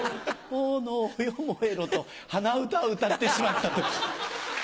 炎よ燃えろと鼻歌を歌ってしまった時。